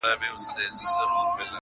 او مخلوق ته سي لګیا په بد ویلو -